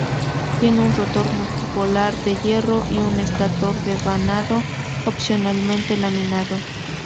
Tiene un rotor multipolar de hierro y un estátor devanado, opcionalmente laminado.